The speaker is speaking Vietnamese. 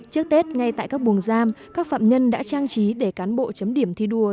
trước tết ngay tại các buồng giam các phạm nhân đã trang trí để cán bộ chấm điểm thi đua